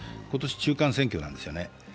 今年、中間選挙なんですよね。